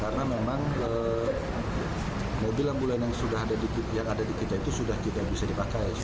karena memang mobil ambulan yang sudah ada di kita itu sudah tidak bisa dipakai